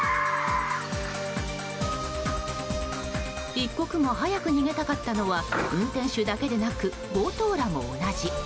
一刻も早く逃げたかったのは運転手だけでなく強盗らも同じ。